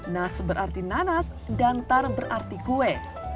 nas berarti nanas dan tar berarti kue